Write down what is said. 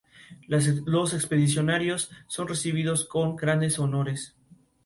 Apoyaron a los primeros califas Omeyas antes de unirse a Ibn al-Zubayr.